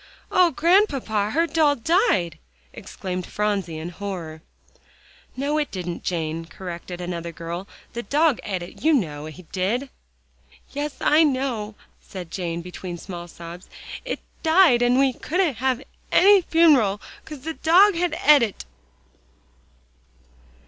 "Oh, Grandpapa, her doll died!" exclaimed Phronsie in horror. "No, it didn't, Jane," corrected another girl, "the dog et it; you know he did." "Yes, I know," said Jane, between small sobs, "it died, and we couldn't have any fun'ral, 'cause the dog had et it."